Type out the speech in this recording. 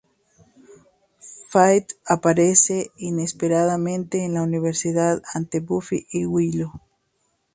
Faith aparece inesperadamente en la universidad ante Buffy y Willow.